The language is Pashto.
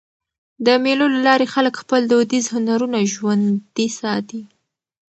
د مېلو له لاري خلک خپل دودیز هنرونه ژوندي ساتي.